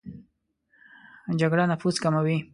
جګړه نفوس کموي